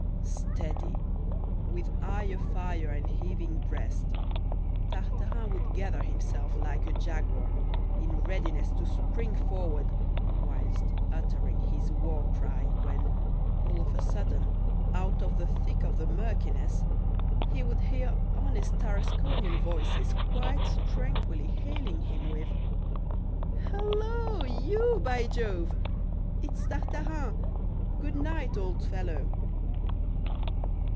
Steady, with eye afire and heaving breast, Tartarin would gather himself like a jaguar in readiness to spring forward whilst uttering his war cry, when, all of a sudden, out of the thick of the murkiness, he would hear honest Tarasconian voices quite tranquilly hailing him with: "Hullo! you, by Jove! it's Tartarin! Good night, old fellow!"